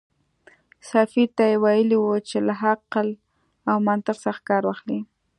سفیر ته یې ویلي و چې له عقل او منطق څخه کار واخلي.